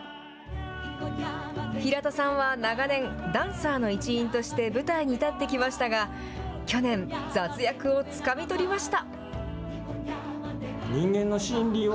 平田さんは長年、ダンサーの一員として舞台に立ってきましたが、去年、ザズ役をつかみ取りました。